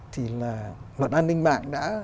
thì luật an ninh mạng đã